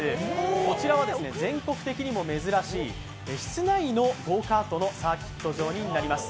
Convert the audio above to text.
こちらは全国的にも珍しい室内のゴーカートのサーキット場になります。